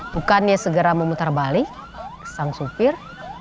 tukannya segera memutar balik sang sopir